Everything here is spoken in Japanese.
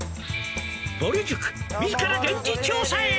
「ぼる塾自ら現地調査へ」